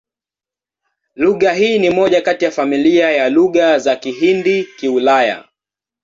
Lugha hii ni moja kati ya familia ya Lugha za Kihindi-Kiulaya.